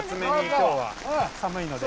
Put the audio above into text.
今日は寒いので。